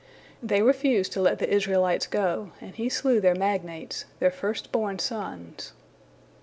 They refused to let the Israelites go, and He slew their magnates, their first born sons.